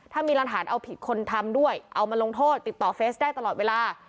ถ้ามีร้านฐานเอาผิดคนทำด้วยเอามาลงโทษติดต่อเฟสได้ตลอดเวลา